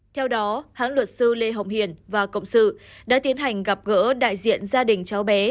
theo đó hãng luật sư lê hồng hiền và cộng sự đã tiến hành gặp gỡ đại diện gia đình cháu bé